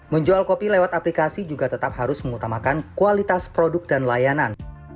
menjual kopi lewat aplikasi juga tetap harus mengutamakan kualitas produk dan layanan